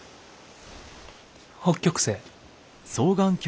北極星。